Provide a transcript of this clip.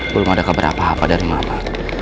belum ada kabar apa apa dari mama